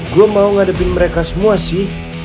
gue mau ngadepin mereka semua sih